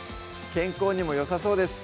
健康にもよさそうです